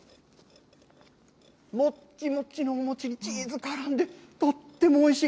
もっちもちのお餅にチーズからんで、とってもおいしい。